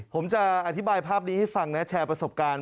ผมจะอธิบายภาพนี้ให้ฟังนะแชร์ประสบการณ์